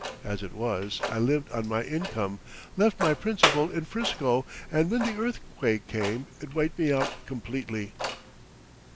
As it was, I lived on my income, left my principal in 'Frisco; and when the earthquake came, it wiped me out completely."